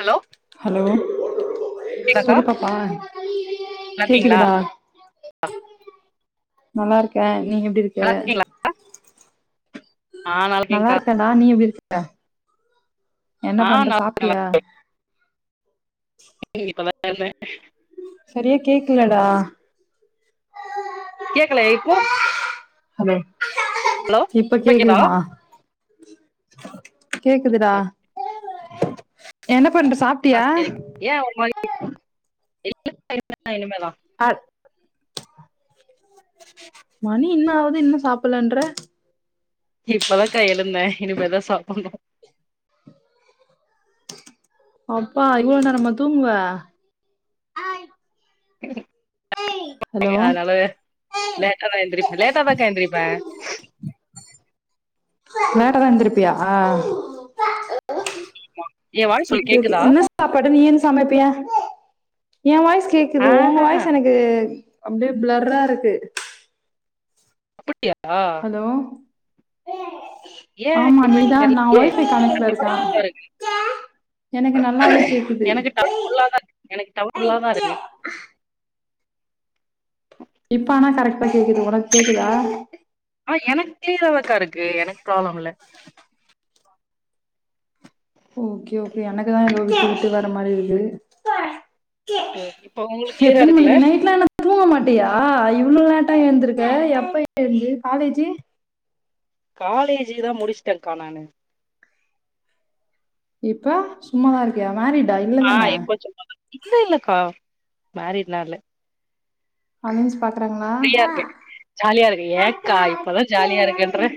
Hello hello கேக்குதாக்கா சொல்லு பாப்பா நல்லா இருக்கீங்களா கேக்குதுடா ஆ நல்லா இருக்கே நீ எப்‌டி இருக்க நல்லா இருக்கீங்களா ஆ நல்லா இருக்கேன்க்கா இருக்கேன்டா நீ எப்டி இருக்க என்ன ஆ பண்ற நல்லா இருக்கேன், நல்லா சாப்ட்டியா ம் இப்ப எந்த சரியா கேக்கலடா கேக்கலையா இப்போ ஹலோ ஹலோ இப்ப கேக்குதா கேக்குதுமா கேக்குதுடா என்ன பண்ற சாப் ஆ சேரிகா ஏ ஒரு மாரி இல்ல இல்ல இனிமேதா ஆடு மணி இன்னாவுது இன்னு சாப்பலன்ற இப்பதாகா எழுந்தே இனிமேதா சாப்புனு அப்பா இவ்ள நேரம்மா தூங்குவ ஹலோ அதனால லேட்டாதா எந்திரிப்ப லேட்டாதாக்கா எந்திரிப்ப லேட்டாதா எந்திருப்பியா மா ஓகே ஓகே என்ன சாப்பாடு நீ என் சமைப்பியா எ வாய்ஸ் கேக்குது உங்க ஆஹஹா வாய்ஸ் எனக் க்கு அப்டியே பிளர்ராருக்கு அப்புட்டியா ஹலோ ஏன் ஆமா நீதா நா தெர்லயே ஒய்ஃபை கனெக்டல இருக்க எனக்கு நல்லாவே கேக்குது எனக்கு டவர் ஃபுல்லாதா இக்கு எனக்கு டவர் ஃபுல்லா தா இருக்கு இப்ப ஆனா கரெக்ட்டா கேக்குது உனக்கு கேக்குதா ஆ எனக்கு கிளியராதாக்கா இருக்கு எனக்கு ப்ராப்ளம் இல்ல ஓகே ஓகே எனக்குதா எதோ விட்டு விட்டு வர மாரி இருக்கு இப்ப உங்களுக்கு கிளியரா எத்தன இருக்குல்ல மணிக்கு நைட்லான்னா தூங்கமாட்டியா இவ்ளோ லேட்டா ஏந்துருக்க எப்ப எழுந்து காலேஜு காலேஜுதா முடிச்ட்டக்கா நானு இப்ப சும்மாதா இருக்கியா மேரிடா இனி இல்ல இல்லக்கா மேரிட்லா இல்ல அன்ஸ் பாக் ஃப்ரீயா இருக்கே ஜாலியா இருக்கே ஏக்கா இப்பதா ஜாலியா இருக்கன்ற பாக்குறாங்களா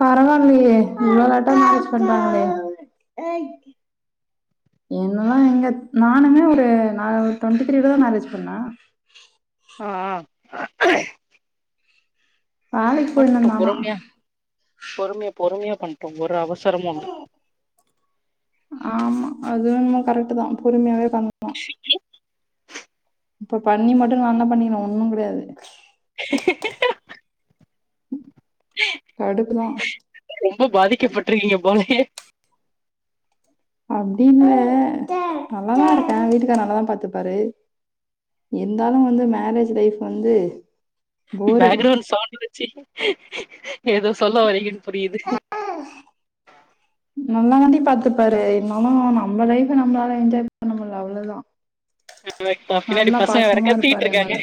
பரவால்லியே இவ்ளோ லேட்டா மேரேஜ் பண்றாங்ளே என்னலா எங்க நானுமே ஒரு நா ஒரு டோண்ட்டி த்ரீலதா மேரேஜ் பண்ண அ ஆ ஆ வேலைக்கு போயிருந்தே பண்ட்டு நானா பொறுமையா பொறுமையா பொறுமையா பண்ட்டோ ஒரு அவசரமு இல்ல ஆமா அது என்னவோ கரெக்ட்டுதா பொறுமையாவே பண் இப்ப பண்ணிமட்டோ நா என்னா பண்ணிக்கின்ன ஒன்னு கெடையாது கடுப்பு தா ரொம்ப பாதிக்கப்பட்ருக்கீங்க போலயே அப்டின்ல நல்லா தா இருக்க வீட்டுக்கார் நல்லா தா பாத்துப்பாரு இருந்தாலு வந்து மேரேஜ் லைஃப் வந்து போரிங் பேக்ரவுண்ட் சவுண்டு வச்சி ஏதோ சொல்ல வரிங்கன் புரியுது நல்லா தாண்டி பாத்துப்பாரு இருந்தாலு நம்ம லைஃப நம்ளால என்ஜாய் பண்ண முடியல அவ்ளோதா ஓகேப்பா, பின்னாடி நல்லா பசங்க வேற பாசமா கத்திட்டு இருப்பாரு எ இருக்காங்க மேல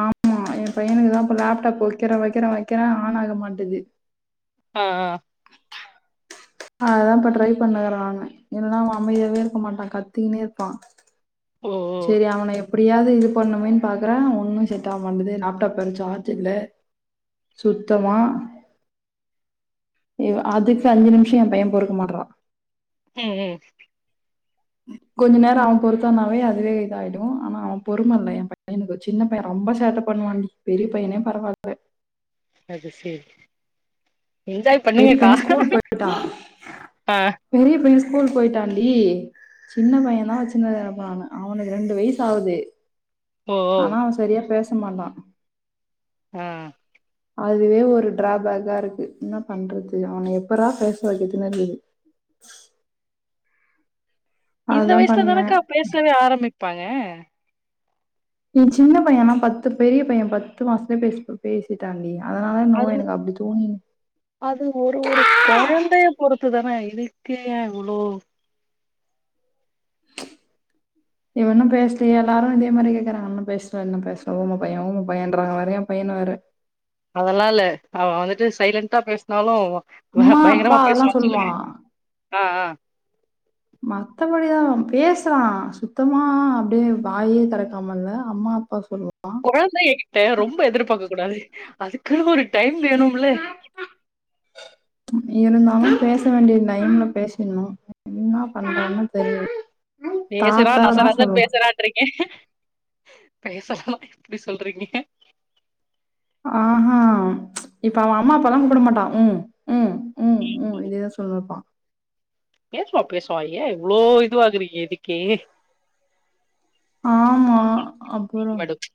ஆமா எ பையனுக்கு தா இப்ப லேப்டாப் வைக்கிற வைக்கிற வைக்கிற ஆன் ஆக மாட்டுது ஆ ஆ அததா இப்ப ட்ரை பண்ணுக்கறா அவ இல்லனா அவ அமைதியாவே இருக்க மாட்டா கத்தினே இருப்பா ஓ ஓ சேரி அவன எப்படியாவது இது பண்ணுமேன்னு பாக்குற ஒன்னும் செட் ஆவமாட்து லேப்டாப் வேற சார்ஜ் இல்ல சுத்தமா இவ அதுக்கு அஞ்சு நிமிஷோ எ பைய பொறுக்க மாட்றா ம் ம் கொஞ்ச நேரோ அவ பொருத்தானாவே அதுவே இதாயிடு‌ ஆனா அவ பொறும இல்ல எ பையனுக்கு சின்ன பைய ரொம்ப சேட்ட பண்ணுவாண்டி பெரிய பையனே பரவாயில்ல அது சேரி என்ஜாய் பெரிய பண்ணுங்கக்கா பையன் ஸ்கூல் போயிட்டான் ஆ பெரிய பைய ஸ்கூல் போயிட்டாண்டி சின்ன பையதா வச்சுனு இருக்க இப்ப நானு அவனுக்கு ரெண்டு வயசு ஆவுது ஓ ஓ ஆனா அவ செரியா பேச மாட்டா ம் அதுவே ஒரு ட்ராபேக்கா இருக்கு என்ன பண்றது அவன எப்பரா பேச வைக்கத்துனு இருக்குது இந்த அதுதான் வயசுல பண்ணேன் தானக்கா பேசவே ஆரம்மிப்பாங்க நீ சின்ன பையனா பத்து பெரிய பைய பத்து மாசத்துலயே பேச பேசிட்டாண்டி அதனால என்னவோ அது எனக்கு அப்டி தோணுது அது ஒரு ஒரு கொழந்தைய பொறுத்து தான இதுக்கு ஏ இவ்ளோ இவ ஒன்னு பேசலியே எல்லாரு இத மாரியே கேக்குறாங்க இன்னு பேசல இன்னு பேசல ஊம பைய ஊம பையன்றங்க வேற பையனவேற அதல்லா இல்ல அவ வந்துட்டு சைலண்ட்டா பேசனாலு அம்மா அப்பா பயங்கரமா அதெல்லாம் பேசுவானு சொல்லு சொல்லுவான் ஆ ஆ மத்தபடிலா இல்ல பேசறா சுத்தமா அப்டியே வாயே தெறக்காம இல்ல அம்மா அப்பா சொல்லுவ கொழந்தைங்கிட்ட ரொம்ப எதிர்பாக்க கூடாது அதுக்குனு ஒரு டைம் வேனுமுள்ள இருந்தாலு பேச வேண்டிய டைம்ல பேசிட்ணு என்னா பண்றதுன்னு தெரில பேசுனா நச நசன் பேசறான்றீங்க பேசலனா இப்டி சொல்றீங்க ஆஹா இப்ப அவ அம்மா அப்பால்லா கூப்ட மாட்டா ம் ம் ம் ம் இதேதா சொல்லுனுப்பா பேசுவா பேசுவா ஏ இவ்ளோ இதுவாகறீங்க இதுக்கே ஆ அப்பறோ மேடம்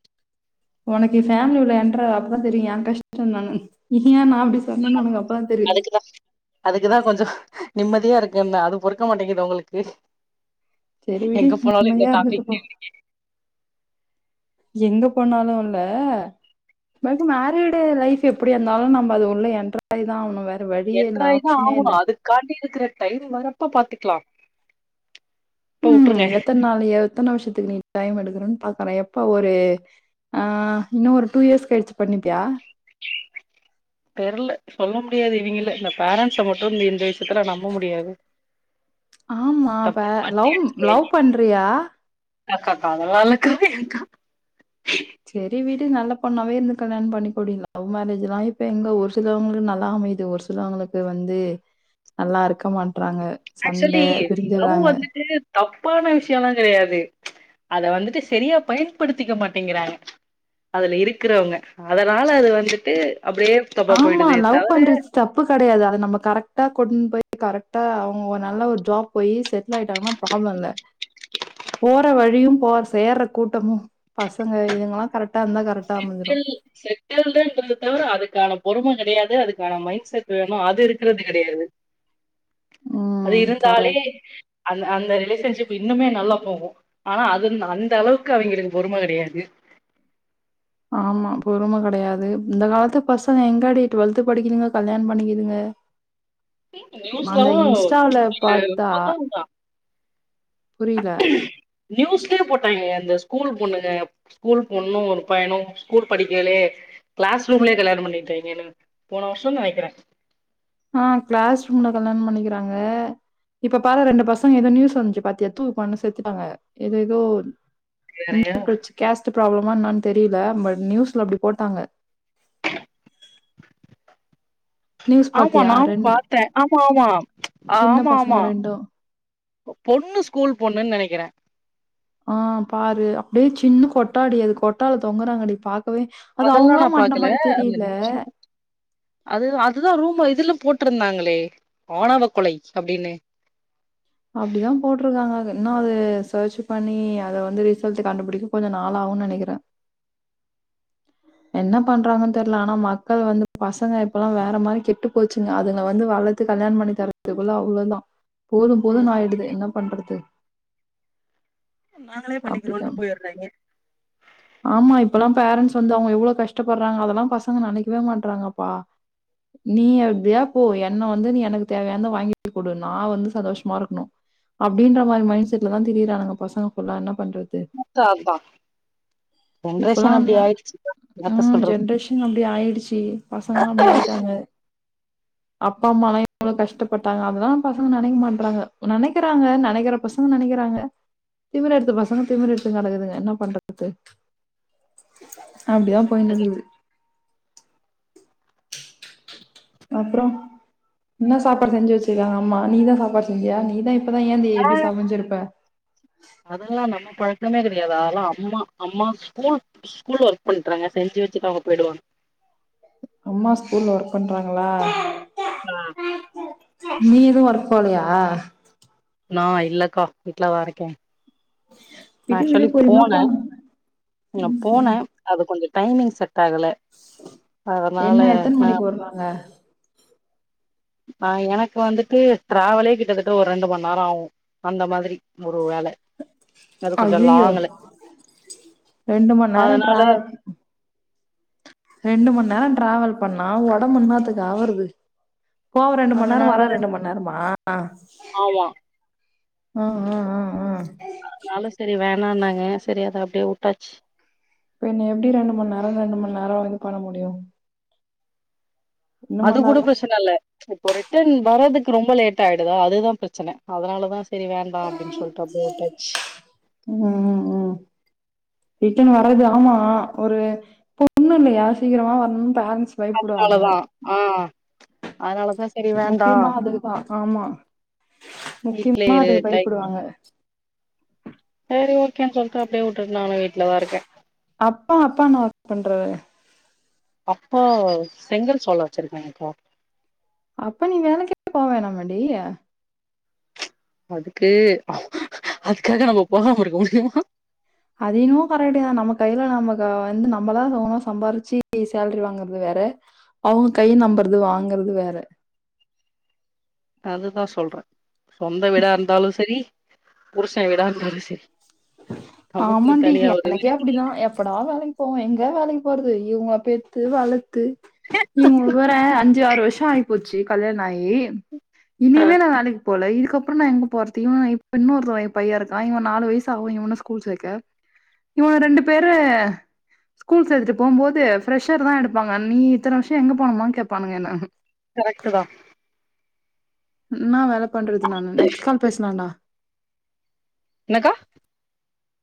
உனக்கு ஃபேமிலி உள்ள என்ட்ராவு அப்பதா தெரியு ஏ கஷ்டோ என்னனு ஏ நா அப்டி சொன்னன்னு உனக்கு அப்ப தா தெரியு அதுக்குதா அதுக்குதா கொஞ்சோ நிம்மதியா இருக்குன்ன அது பொறுக்க மாட்டேங்குது உங்களுக்கு சரி விடு எங்க போனாலு இந்த நிம்மதியா இருந்துட்டு டாபிக் போ. [inaudible] எங்க போனாலு இல்ல எல்லார்க்கு மேரீடு லைஃப் எப்டி இருந்தாலு நம்ம அது உள்ள என்ட்ராய் தா ஆவணு வே வழியே இல்ல ஆப்ஷனே இல்ல காத்தியிருக்கற தயிர் வரப்ப பாத்துக்லா ம் எத்தன் நாள் எத்தன வருஷத்துக்கு நீ டைம் எடுக்கறன் பாக்குற எப்ப ஒரு ஆ இன்னு ஒரு டூ இயர்ஸ் கழிச்சு பண்ணிப்பியா தெர்ல சொல்ல முடியாது இவிங்கிளே இந்த பேரண்ட்ஸ மட்டு இந்த இந்த [unintelligible] இதுக்லா நம்ப முடியாது ஆமா ப தப்பு லவ் லவ் பண்றியா அக்கா அக்கா அதெல்லா இல்லக்கா ஏக்கா செரி விடு நல்லா பொண்ணாவே இருந்து கல்யாண பண்ணிக்கோடி லவ் மேரேஜ் எல்லா இப்ப எங்க ஒரு சிலவங்களுக் நல்லா அமையுது ஒரு ஸ் சிலவங்குளுக்கு வந்து நல்லா இருக்க மாட்றாங்க ஆக்சுவலி சண்டை பிரிஞ்சிடறாங்க லவ் வந்துட்டு தப்பான விஷ்யோலா கெடையாது அத வந்துட்டு செரியா பயன்படுத்திக்க மாட்டேங்கிறாங்க அதுல இருக்கிறவங்க அதனால அது வந்துட்டு அப்டியே தப்பா ஆமா போயிடுதே லவ் தவிர பண்ட் [unintelligible] தப்பு கெடையாது அத நம்ம கரெக்டா கொண் போய் கரெக்டா அவங்க நல்ல ஒரு ஜாப் போயி செட்டில் ஆயிட்டாங்கனா ப்ராப்ள இல்ல போற வழியு போற் சேர்ற கூட்டமு பசங்க இதுங்கெல்லா கரெக்ட் [unintelligible] செட் ஆகலேன்றத தவர அதுக்கான பொறும கெடையாது அதுக்கான மைண்ட் செட் வேணு அது இருக்கிறது கெடையாது அது ம். இருந்தாலே கரெக்ட். அந் அந்த ரிலேஷன்ஷிப் இன்னுமே நல்லா போகு ஆனா அதுந் அந்த அளவுக்கு அவிங்களுக்கு பொறும கெடையாது ஆமா பொறும கெடையாது இந்த காலத்து பசங்க எங்காடி டுவெல்த்து படிக்குதுங்க கல்யாண பண்ணிக்கிதுங்க நியூஸ்லலா அந்த இன்ஸ்டால பாத்தா புரில நியூஸ்லயே போட்டாங்களே அந்த ஸ்கூல் பொண்ணுக ஸ்கூல் பொண்ணு ஒரு பையனு ஸ்கூல் படிக்கேலேயே க்ளாஸ் ரூம்லயே கல்யாணம் பண்ணிட்டாய்ங்களே போன வருஷோ நெனக்கறே ஆ க்ளாஸ் ரூம்ல கல்யாண பண்ணிக்கிறாங்க இப்ப பாரு ரெண்டு பசங்க ஏதோ நியூஸ் வந்துச்சு பாத்தியா தூக் மாட்னு செத்துட்டாங்க எத் எதோ வேறயா [inaudible] கேஸ்ட் ப்ராப்ளமா என்னான் தெரில பட் நியூஸ்ல அப்டி போட்டாங்க நியூஸ் ஆமா பாத்தியா நானு ரெண் பாத்தே ஆமா ஆமா சின்ன ஆமா பசங்க ஆமா ரெண்டு பொ பொண்ணு ஸ்கூல் பொண்ணுன் நெனைக்கிற ஆ பாரு அப்டியே சின்ன கொட்டாடி அது கொட்டால தொங்குறாங்கடி பாக்கவே அது அதெல்லா அவுங்களா நா மாட்ன பாக்கல மாரி அந்த தெரில நியூஸ்ல அது அதுதா ரூம்ல இதுல போட்டிருந்தாங்களே ஆணவ கொலை அப்டினு அப்டிதா போட்டிருக்காங்க அத் இன்னு அது சர்ச்சு பண்ணி அத வந்து ரிசல்ட்டு கண்டுபுடிக்க கொஞ்ச நாள் ஆகுன் நெனைக்கறே என்ன பண்றாங்கன் தெர்ல ஆனா மக்கள் வந் பசங்க இப்பெல்லா வேற மாரி கெட்டு போச்சுங்க அதுகுல வந்து வளத் த்து கல்யாண் பண்ணி தரதுக்குல்ல அவ்ளோதா போது போதுன் ஆயிடுது என்ன பண்றது ம் நாங்களே அப்டிதா பண்ணிக்கிறோன்ட்டு போயட்றாய்ங்க ஆமா இப்பெல்லா பேரண்ட்ஸ் வந்து அவங்க எவ்வளோ கஷ்டப்படுறாங்க அதெல்லா பசங்க நெனைக்கவே மாட்றாங்கப்பா நீ எப்டியா போ என்ன வந்து நீ எனக்கு தேவயானந்த வாங்கி குடு நா வந்து சந்தோஷமா இருக்கணும் அப்டின்ற மாரி மைண்ட் செட்ல தான் திரியறானுங்க பசங்கபுல்ல என்ன பண்றது உங்க அப்பா ஜென்ரேஷன் இப்பலாம் அந்த அப்டி ஆயிடுச்சு என்னத்த ம் சொல்றது ஜென்ரேஷன் அப்டி ஆயிடுச்சு பசங்களல்லா அப்டி ஆயிட்டாங்க அப்பா அம்மலாம் எவ்ளோ கஷ்டப்பட்டாங்க அதனால பசங்க நினக்க மாட்றாங்க நினக்கிறாங்க நினக்கிற பசங்க நினக்கிறாங்க திமிர் எடுத்து பசங்க திமிர் எடுத்து கிடக்குதுங்க என்ன பண்றது அப்டிதான் போயினு கரெக்ட்டு இருக்குது அப்பறோ என்ன சாப்பாடு செஞ்சு வச்சுருக்காங்க அம்மா நீதான் சாப்பாடு செஞ்சியா நீதான் இப்பதா ஏந்துயே எப்டி சமஞ்சிருப்ப அதெல்லாம் நம்ம பழக்கமே கிடையாது அதெல்லாம் அம்மா அம்மா ஸ்கூல் ஸ்கூல்ல ஒர்க் பண்றங்க செஞ்சு வச்சுட்டு அவங்க போயிடுவாங்க அம்மா ஸ்கூல்ல ஒர்க் பண்றாங்களா ஆ நீ எதுவும் ஒர்க் போலயா நா இல்லக்கா வீட்லாதா இருக்கேன் விடு விடு பொருமையா போனே போலா நா ம் போனே ம் அது கொஞ்சோ டைமிங் செட் ஆகல அதனால நான் சொல்லுவாங்க ஆ எனக்கு வந்துட்டு த்ரெவலே கிட்டத்தட்டு ஒரு ரெண்டு மண் நேரம் ஆவும் அந்த மாதிரி ஒரு வேல அது கொஞ்ச ஐயையோ லாங்குல ரெண்டு மண் நேரம் அதனால டிராவல் ரெண்டு மண் நேரம் டிராவல் பண்ணா உடம்பு என்னாத்துக்கு ஆவுரது போவ ரெண்டு மண்நேரம் அதனால வர ரெண்டு மண்நேரமா ஆமா ஆ ஆ ஆ ஆ இருந்தாலும் செரி வேணாம்னாங்க சேரி அத அப்டியே உட்டாச்சு பின்ன எப்டி ரெண்டு மண்நேரோ ரெண்டு மண்நேரோ வந்து பண்ண முடியும் ரெண்டு அது மண் கூட நேரம் பிரச்சனை இல்ல இப்போ ரிட்டன் வர்றதுக்கு ரொம்ப லேட் ஆயிடுதா அதுதான் பிரச்சனை அதனாலதான் செரி வேண்டாம் அப்டின்னு சொல்லி ம் ம் ம் ரிட்டன் வர்றது ஆமா ஒரு பொண்ணு இல்லையா சீக்கிரமா வரணும்னு பேரன்ஸ் அதனாலதான் ஆ அதனாலதான் முக்கியமா அதுக்குதான் ஆமா வீட்லயே முக்கியமா இரு அதுக்கு பயப்படுவாங்க சேரி ஓகேன்னு சொல்ட்டு அப்டியே வுட்டுட் நானும் வீட்ல தான் இருக்கேன் அப்பா அப்பா என்ன ஒர்க் பண்றாரு அப்பா செங்கல் சோலை வச்சுருக்காங்காங்க்கா அப்ப நீ வேலைக்கே போவேணாமேடி அதுக்கு அதுக்காக நம்ம போகாம இருக்க முடியுமா அத என்னமோ கரெக்ட்டு ‌தான் நம்ம கையில நம்ம க வந்து நம்மளா ஓனா சம்பாரிச்சு சேலரி வாங்குறது வேற அவங்க கை நம்புறது வாங்கறது வேற அதுதான் சொல்றேன் சொந்த வீடா இருந்தாலும் செரி புருஷன் வீடா இருந்தாலும் செரி ஆமாண்டி எனக்கே அப்டிதான் எப்படா வேலைக் போ எங்க வேலைக்கு போறது இவங்க பெத்து வளத்து இவங்களுக்கு வேற அஞ்சு ஆறு வருஷம் ஆகிப்போச்சு கல்யாணம் ஆகி இனிமே நா வேலைக் போல இதுக்கப்றோ நா எங்க போறது இவ இப்ப இன்னொருத்தவ என் பைய்ய இருக்கா இவ நாலு வயசு ஆவு இவன ஸ்கூல் சேக்க இவன ரெண்டு பேரு ஸ்கூல் சேத்துட்டு போம்போது ஃப்ரெஷர் தா எடுப்பாங்க நீ இத்தன வருஷோ எங்க போனமா கேப்பானுங்க என்ன கரெக்ட்டு தா இன்னா வேல பண்றது நானு நெக்ஸ்ட் கால் பேசலான்டா என்னக்கா